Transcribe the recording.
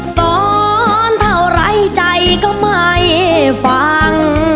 สอนเท่าไร้ใจก็ไม่ฟัง